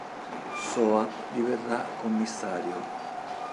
Soap diverrà commissario.